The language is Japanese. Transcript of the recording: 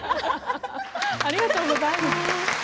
ありがとうございます。